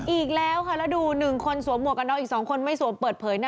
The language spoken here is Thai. อีกแล้วค่ะแล้วดู๑คนสวมหวกกันน็อกอีก๒คนไม่สวมเปิดเผยนะ